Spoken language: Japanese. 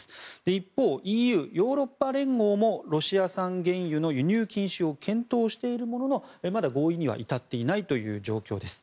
一方、ＥＵ・ヨーロッパ連合もロシア産原油の輸入禁止を検討しているもののまだ合意には至っていないという状況です。